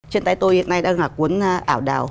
trên tay tôi hiện nay đang là cuốn ả đào